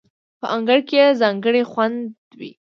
په انگار کې یې ځانګړی خوند وي.